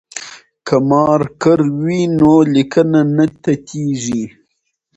که مارکر وي نو لیکنه نه تتېږي.